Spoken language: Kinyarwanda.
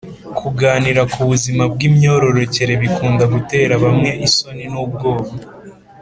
kuganira ku buzima bw’imyororokere bikunda gutera bamwe isoni n’ubwoba.